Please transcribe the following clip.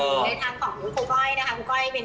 ในทางความรู้ของครูก้อยนะครับ